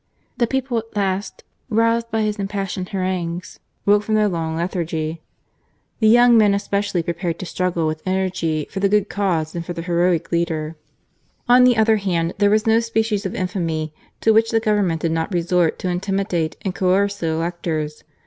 The people at last, roused by his impassioned harangues, woke from their long lethargy. The 5^oung men especially prepared to struggle with energy for the good cause and for their heroic leader. THE RE AWAKING OF THE NATION. 67 On the other hand, there was no species of infamy to which the Government did not resort to intimi date and coerce the electors.